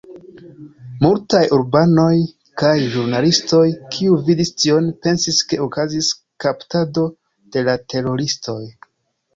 Multaj urbanoj kaj ĵurnalistoj, kiuj vidis tion, pensis ke okazis kaptado de la teroristoj.